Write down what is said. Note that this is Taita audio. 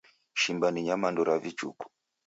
Shimba ni nyamandu ra vichuku.